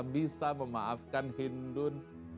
bisa memaafkan hindun